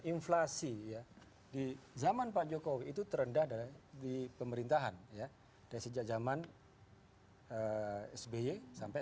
inflasi ya di zaman pak jokowi itu terendah dari di pemerintahan ya dari sejak zaman sby sampai